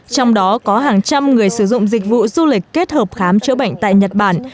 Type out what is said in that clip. trong đó có hàng trăm người sử dụng dịch vụ du lịch kết hợp khám chữa bệnh tại nhật bản